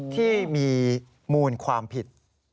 ที่มีมูลความผิด